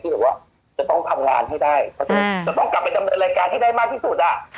แบบว่าจะต้องทำงานให้ได้เพราะฉะนั้นจะต้องกลับไปดำเนินรายการให้ได้มากที่สุดอ่ะ